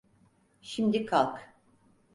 Şimdi kalk.